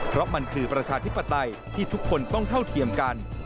เพราะมันคือประชาธิปไตยที่ทุกคนต้องเท่าเทียมกัน